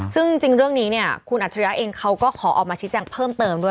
ซึ่งจริงเรื่องนี้เนี่ยคุณอัจฉริยะเองเขาก็ขอออกมาชี้แจงเพิ่มเติมด้วย